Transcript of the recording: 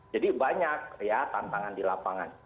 jadi banyak ya tantangan di lapangan